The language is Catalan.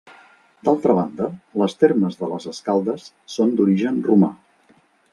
D'altra banda, les termes de les Escaldes són d'origen romà.